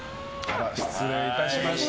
失礼いたしました。